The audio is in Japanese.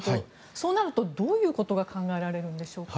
そうなるとどういうことが考えられるんでしょうか。